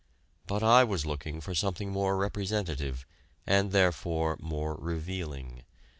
But I was looking for something more representative, and, therefore, more revealing.